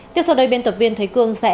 tiếp sau đây biên tập viên thầy cương sẽ